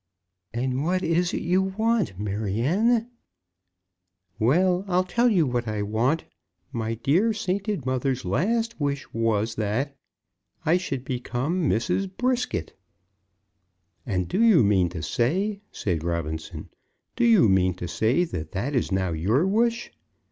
"And what is it you want, Maryanne?" "Well; I'll tell you what I want. My dear sainted mother's last wish was that I should become Mrs. Brisket!" "And do you mean to say," said Robinson "do you mean to say that that is now your wish?"